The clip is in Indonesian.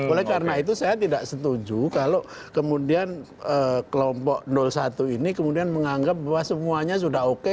oleh karena itu saya tidak setuju kalau kemudian kelompok satu ini kemudian menganggap bahwa semuanya sudah oke